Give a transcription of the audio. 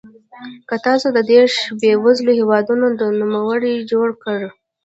که تاسو د دېرش بېوزلو هېوادونو نوملړ جوړ کړئ.